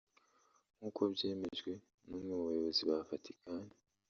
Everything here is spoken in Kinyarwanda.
nk’uko byemejwe n’umwe mu bayobozi ba Vatikani